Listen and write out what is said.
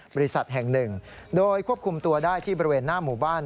บริษัทแห่งหนึ่งโดยควบคุมตัวได้ที่บริเวณหน้าหมู่บ้าน